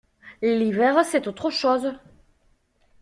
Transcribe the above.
L’hiver, c’est autre chose.